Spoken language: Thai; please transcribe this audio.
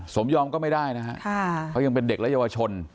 สมยอมก็ไม่ได้นะฮะเขายังเป็นเด็กและเยาวชน